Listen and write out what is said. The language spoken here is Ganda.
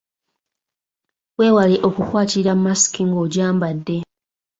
Weewale okukwatirira masiki ng’ogyambadde.